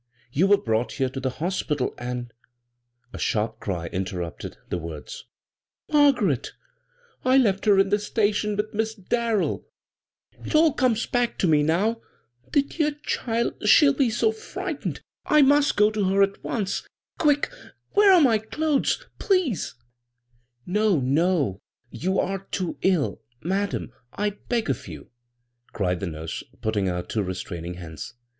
" You were brought here to the hospital, and " A sbaq> cry interrupted the words. " Margaret I I left her in the station with Miss DarrelL It all comes back to me now. The dear child— she'll be so frightraed. I must go to her at once. Quick, where are my clothes, please ?" 56 bGooglt' CROSS CURRENTS " No, no, you are too ill I Madam, I beg of you," cried the nurse, putting out two re straining hands.